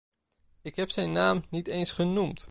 Ik heb zijn naam niet eens genoemd.